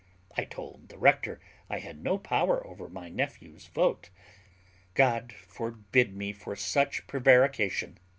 I told the rector I had no power over my nephew's vote (God forgive me for such prevarication!)